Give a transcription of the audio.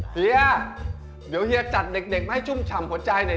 เฮียเดี๋ยวเฮียจัดเด็กมาให้ชุ่มฉ่ำหัวใจหน่อย